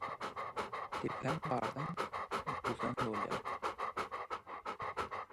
Depäň gardan, buzdan dolýar.